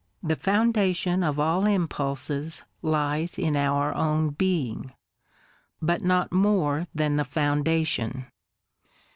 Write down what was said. The foundation of all impulses lies in our own being: — but not more than the foundation.